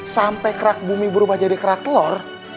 sampai kerak bumi berubah jadi kerak telur